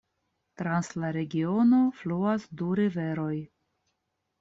Trans la regiono fluas du riveroj.